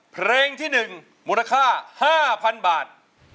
เพลงที่๑มูลค่า๕๐๐๐บาท